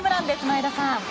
前田さん。